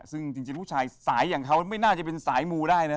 ซึ่งจริงผู้ชายสายอย่างเขาไม่น่าจะเป็นสายมูได้นะ